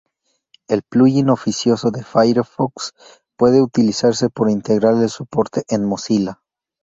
El plugin oficioso de Firefox puede utilizarse para integrar el soporte en Mozilla.